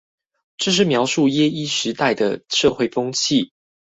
這是描寫耶一時代的社會風氣？